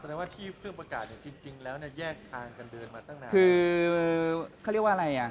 แสดงว่าที่เพิ่มประกาศจริงแล้วแยกทางกันเดินมาตั้งนาน